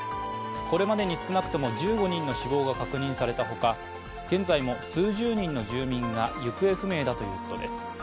これまでに少なくとも１５人の死亡が確認されたほか現在も数十人の住民が行方不明だということです。